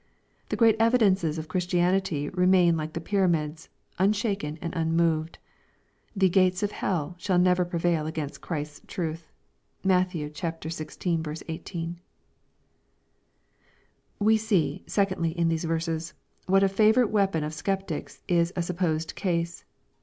The great evidences of Christianity remain like the Pyramids, unshaken and unmoved. The " gates of hell" shall never prevail against Christ's truth. (Matt. xvi. 18.) We see, secondly, in these verses, what a favorite weapon of sceptics is a supposed case.